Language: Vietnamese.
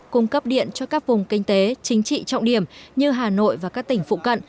cung cấp điện cho các vùng kinh tế chính trị trọng điểm như hà nội và các tỉnh phụ cận